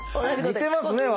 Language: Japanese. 似てますね